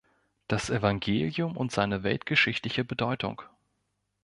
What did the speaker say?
Das Evangelium und seine weltgeschichtliche Bedeutung".